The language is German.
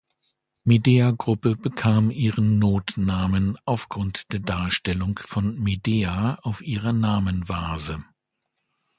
Medea-Gruppe bekam ihren Notnamen aufgrund der Darstellung von Medea auf ihrer Namenvase.